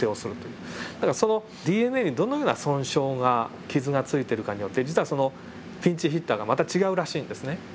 だからそのＤＮＡにどのような損傷が傷がついているかによって実はそのピンチヒッターがまた違うらしいんですね。